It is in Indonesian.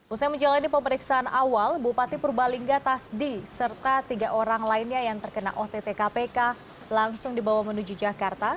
usai menjalani pemeriksaan awal bupati purbalingga tasdi serta tiga orang lainnya yang terkena ott kpk langsung dibawa menuju jakarta